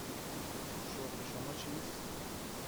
شغل شما چیست؟